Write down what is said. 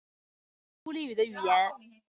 孤立语的语言。